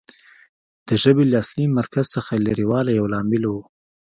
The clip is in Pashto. د ژبې له اصلي مرکز څخه لرې والی یو لامل و